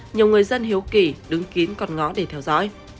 nhiều người dân hiếu kỳ đứng kín còn ngó để theo dõi